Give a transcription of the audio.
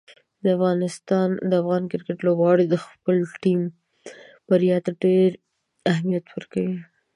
د افغان کرکټ لوبغاړي د خپلې ټیم بریا ته ډېر اهمیت ورکوي.